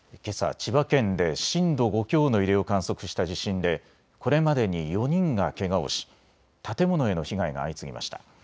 千葉県で震度５強の揺れを観測した地震でこれまでに４人がけがをし、建物への被害が相次ぎました。